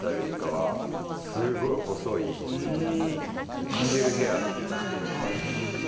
これエンジェルヘアっていうんですけど。